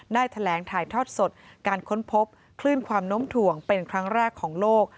ได้แถลงถ่ายทอดสดการค้นพบคลื่นความน้มถ่วงเป็นครั้งแรกของโลก